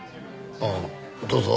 ああどうぞ。